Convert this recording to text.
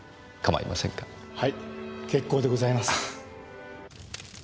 はい結構でございます。